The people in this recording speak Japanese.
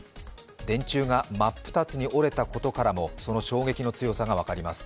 電柱が真っ二つに折れたことからもその衝撃の強さが分かります。